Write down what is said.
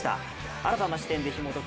新たな視点でひもとく